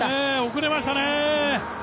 遅れましたね。